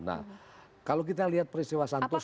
nah kalau kita lihat peristiwa santoso